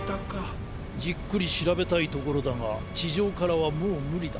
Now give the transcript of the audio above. じっくりしらべたいところだがちじょうからはもうむりだ。